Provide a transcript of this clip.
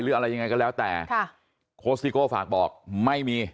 หรืออะไรยังไงก็แล้วแต่ค่ะโค้ชซิโก้ฝากบอกไม่มี